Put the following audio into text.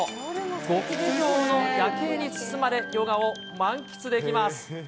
極上の夜景に包まれ、ヨガを満喫できます。